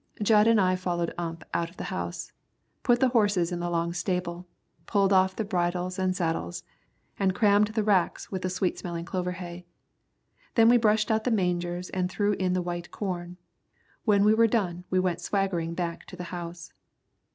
Jud and I followed Ump out of the house, put the horses in the log stable, pulled off the bridles and saddles, and crammed the racks with the sweet smelling clover hay. Then we brushed out the mangers and threw in the white corn. When we were done we went swaggering back to the house.